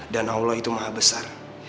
dan allah itu maha besar